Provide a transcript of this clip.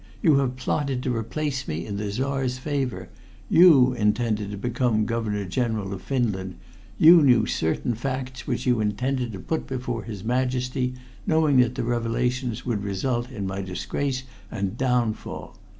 You have plotted to replace me in the Czar's favor. You intended to become Governor General of Finland! You knew certain facts which you intended to put before his Majesty, knowing that the revelations would result in my disgrace and downfall.